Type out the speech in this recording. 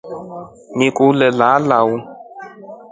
Nakuue lala uu.